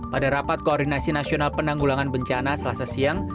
pada rapat koordinasi nasional penanggulangan bencana selasa siang